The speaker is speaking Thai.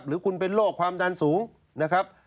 หรือคุณเป็นโรคความดันสูงนะครับ